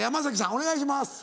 お願いします。